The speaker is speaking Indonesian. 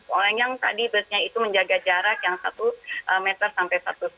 soalnya yang tadi busnya itu menjaga jarak yang satu meter sampai satu lima